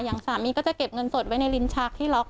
อย่างสามีก็จะเก็บเงินสดไว้ในลิ้นชักที่ล็อก